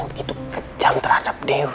begitu kejam terhadap dewi